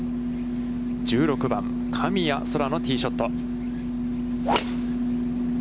１６番、神谷そらのティーショット。